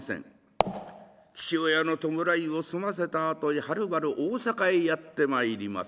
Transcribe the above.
父親の弔いを済ませたあとはるばる大坂へやって参ります。